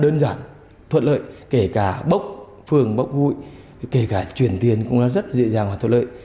đơn giản thuận lợi kể cả bốc phường bốc hụi kể cả chuyển tiền cũng rất dễ dàng và thuận lợi